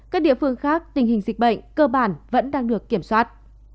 các địa phương khác tình hình dịch bệnh cơ bản vẫn đang được kiểm soát